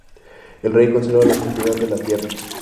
El Rey conservaba la propiedad de la tierra.